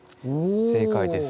正解です。